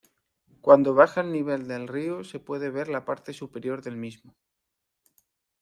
Cuando baja el nivel del río se puede ver la parte superior del mismo.